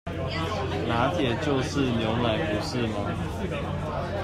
「拿鐵」就是牛奶不是嗎？